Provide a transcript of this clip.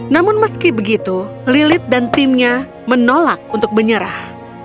namun meski begitu lilit dan timnya menolak untuk menyerah